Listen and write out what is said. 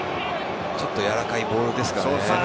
ちょっとやわらかいボールですからね。